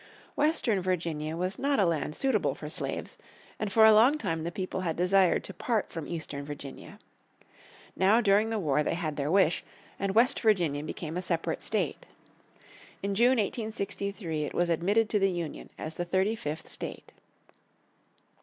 Western Virginia was not a land suitable for slaves, and for a long time the people had desired to part from Eastern Virginia. Now during the war they had their wish, and West Virginia became a separate state. In June, 1863, it was admitted to the Union as the thirty fifth state.